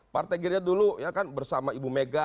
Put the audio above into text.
partai gerindra dulu bersama ibu mega